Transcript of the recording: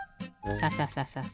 サササササ。